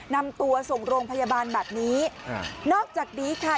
นำตัวส่งโรงพยาบาลแบบนี้นอกจากนี้ค่ะ